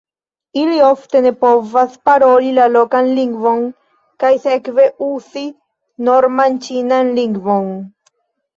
Ili ofte ne povas paroli la lokan lingvon kaj sekve uzi norman ĉinan lingvon.